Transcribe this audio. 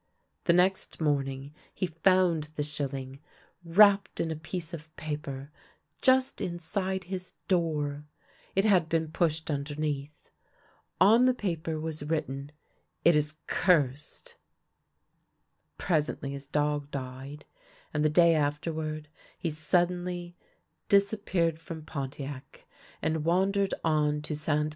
The next morning he found the shilling, wrapped in a piece no THE LANE THAT HAD NO TURNING of paper, just inside his door; it had been pushed underneath. On the paper was written, " It is cursed." Presently his dog died, and the day afterward he sud denly disappeared from Pontiac, and wandered on to Ste.